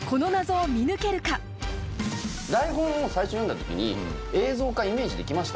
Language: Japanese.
台本を最初読んだ時に映像化イメージできました？